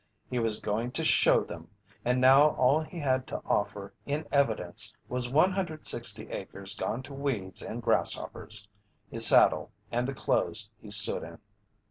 He was going to "show" them, and now all he had to offer in evidence was 160 acres gone to weeds and grasshoppers, his saddle, and the clothes he stood in.